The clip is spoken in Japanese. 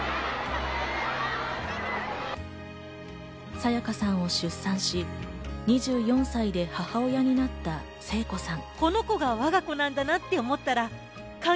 沙也加さんを出産し、２４歳で母親になった聖子さん。